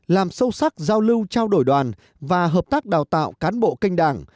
làm sâu sắc giao lưu trao đổi đoàn và hợp tác đào tạo cán bộ kênh đảng